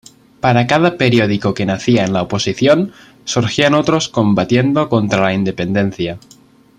Para cada periódico que nacía en la oposición, surgían otros combatiendo contra la Independencia.